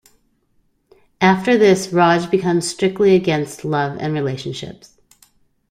After this, Raj becomes strictly against love and relationships.